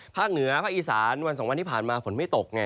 เหนือภาคอีสานวันสองวันที่ผ่านมาฝนไม่ตกไง